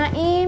mbak beli naim